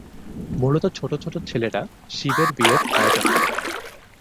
মূলত ছোট ছোট ছেলেরা শিবের বিয়ের আয়োজন করে।